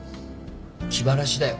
気晴らしだよ。